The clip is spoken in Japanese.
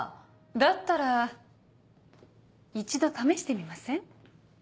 だったら一度試してみません？